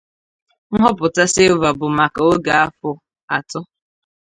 Nhọpụta Silva bụ maka oge afọ atọ.